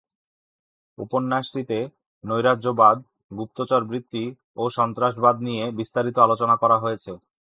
উপন্যাসটিতে নৈরাজ্যবাদ, গুপ্তচরবৃত্তি ও সন্ত্রাসবাদ নিয়ে বিস্তারিত আলোচনা করা হয়েছে।